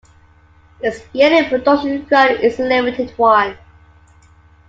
Its yearly production run is a limited one.